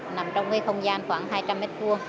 nằm trong cái không gian khoảng hai trăm linh m hai